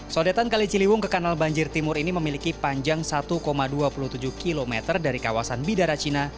sodetan kali ciliwung ke kanal banjir timur ini memiliki panjang satu dua puluh tujuh km dari kawasan bidara cina